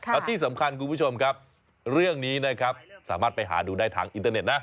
แล้วที่สำคัญคุณผู้ชมครับเรื่องนี้นะครับสามารถไปหาดูได้ทางอินเทอร์เน็ตนะ